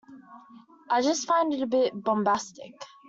I just find it a bit bombastic.